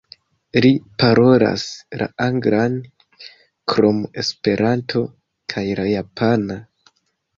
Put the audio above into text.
Li parolas la anglan krom esperanto kaj la japana.